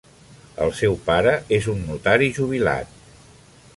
El seu pare és un notari jubilat.